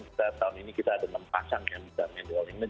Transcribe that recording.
kita tahun ini kita ada enam pasang yang bisa medial limit